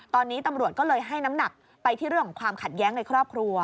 ตอนนี้ตำรวจก็เลยให้น้ำหนักไปที่เรื่องของความขัดแย้งในครอบครัว